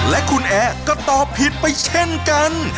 และคุณแอร์ก็ตอบผิดไปเช่นกัน